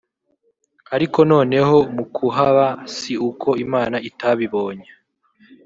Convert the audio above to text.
ariko noneho mu kuhaba si uko Imana itabibonye